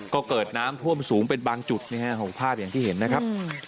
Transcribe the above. ก็เกิดน้ำท่วมสูงเป็นบางจุดของภาพอย่างที่เห็นนะครับ